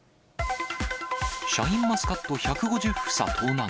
シャインマスカット１５０房盗難。